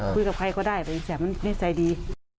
คุยกับใครก็ได้แต่อินเสียมันไม่ใจดี